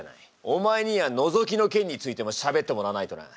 お前にはのぞきのけんについてもしゃべってもらわないとな。